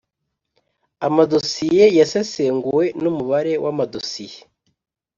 amadosiye yasesenguwe n’umubare w’amadosiye